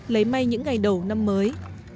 lấy may những ngày đầu năm mới